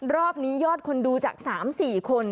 รอบนี้ยอดคนดูจาก๓๔คน